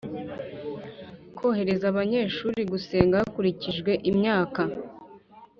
korohereza abanyeshuri gusenga hakurikijwe imyaka